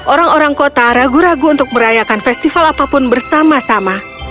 orang orang kota ragu ragu untuk merayakan festival apapun bersama sama